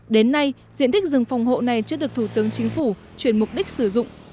đến nay diện tích rừng phòng hộ này chưa được thủ tướng chính phủ chuyển mục đích sử dụng